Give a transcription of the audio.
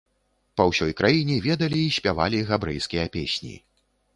Па ўсёй краіне ведалі і спявалі габрэйскія песні.